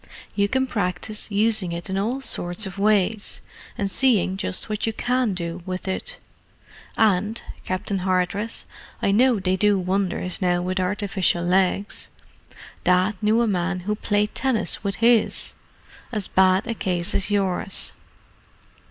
You can practise using it in all sorts of ways, and seeing just what you can do with it. And, Captain Hardress, I know they do wonders now with artificial legs: Dad knew of a man who played tennis with his—as bad a case as yours."